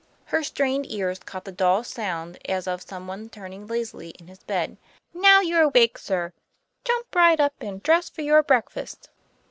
Her strained ears caught the dull sound as of some one turning lazily in his bed. " Now you're awake, sir, jump right up, and dress for your breakfast."